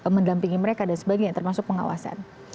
mendampingi mereka dan sebagainya termasuk pengawasan